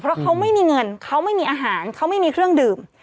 เพราะเขาไม่มีเงินเขาไม่มีอาหารเขาไม่มีเครื่องดื่ม